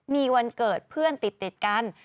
มีวันเกิดเพื่อนติดกัน